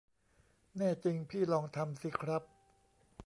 แน่จริงพี่ลองทำสิครับ